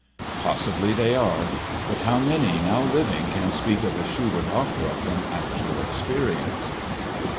Possibly they are. But how many now living can speak of a Schubert opera from actual experience?